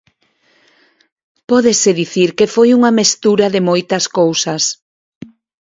Pódese dicir que foi unha mestura de moitas cousas.